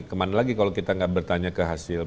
kemana lagi kalau kita nggak bertanya ke hasil